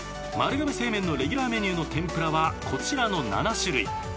丸亀製麺のレギュラーメニューの天ぷらはこちらの７種類。